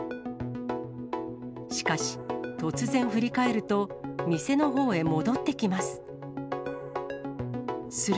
しかし、突然振り返ると、店のほうへ戻ってきます。